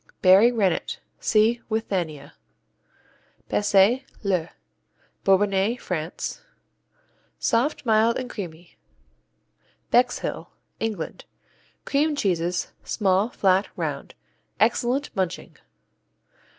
Berry Rennet see Withania. Bessay, le Bourbonnais, France Soft, mild, and creamy. Bexhill England Cream cheeses, small, flat, round. Excellent munching.